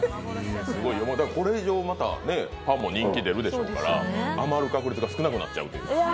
これ以上、またパンも人気出るでしょうから、あまる確率が少なくなっちゃうという。